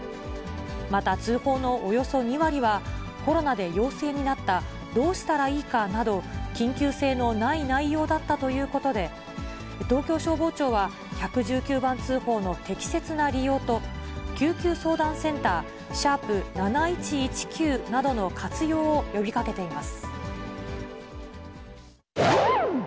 また、通報のおよそ２割は、コロナで陽性になった、どうしたらいいかなど、緊急性のない内容だったということで、東京消防庁は、１１９番通報の適切な利用と、救急相談センター、＃７１１９などの活用を呼びかけています。